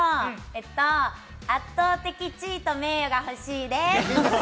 圧倒的地位と名誉が欲しいです！